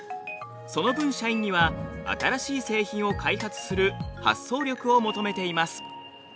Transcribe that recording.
その分社員には新しい製品を開発する発想力を求めています。